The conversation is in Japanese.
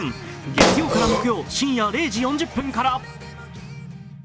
月曜から木曜、深夜０時４０分から。